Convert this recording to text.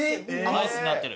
アイスになってる？